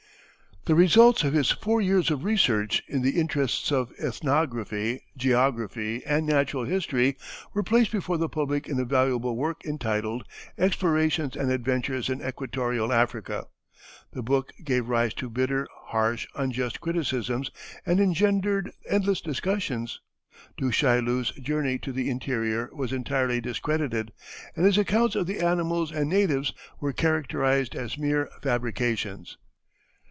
The results of his four years of research in the interests of ethnography, geography, and natural history, were placed before the public in a valuable work entitled "Explorations and Adventures in Equatorial Africa." The book gave rise to bitter, harsh, unjust criticisms, and engendered endless discussions. Du Chaillu's journey to the interior was entirely discredited, and his accounts of the animals and natives were characterized as mere fabrications.